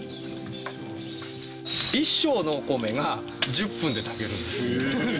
１升のお米が１０分で炊けるえー。